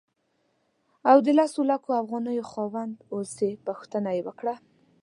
او د لسو لکو افغانیو خاوند اوسې پوښتنه یې وکړه.